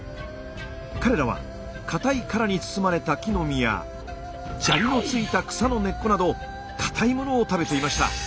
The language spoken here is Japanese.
彼らはかたい殻に包まれた木の実や砂利の付いた草の根っこなどかたいものを食べていました。